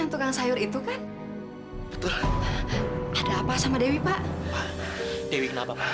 nggak ada dewi